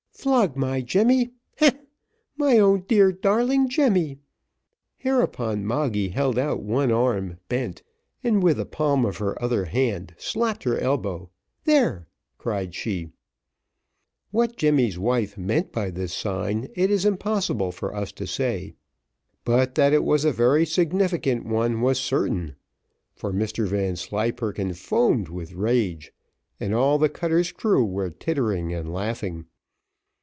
Flog my Jemmy, heh! my own dear darling Jemmy." Hereupon Moggy held out one arm bent, and with the palm of her other hand slapped her elbow "There!" cried she. What Jemmy's wife meant by this sign, it is impossible for us to say; but that it was a very significant one was certain, for Mr Vanslyperken foamed with rage, and all the cutter's crew were tittering and laughing.